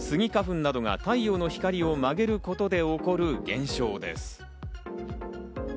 スギ花粉などが太陽の光を曲げることで起こる現象です。